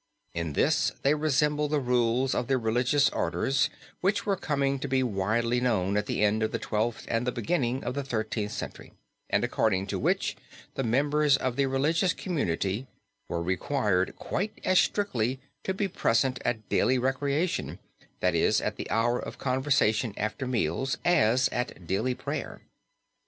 In this they resemble the rules of the religious orders which were coming to be widely known at the end of the Twelfth and the beginning of the Thirteenth Century, and according to which the members of the religious community were required quite as strictly to be present at daily recreation, that is, at the hour of conversation after meals, as at daily prayer.